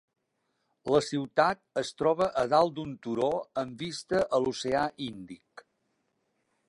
La ciutat es troba a dalt d'un turó amb vista a l'oceà Índic.